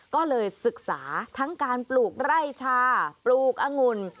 ก็เลยศึกษาทั้งการปลูกไร่ชาปลูกองุ่น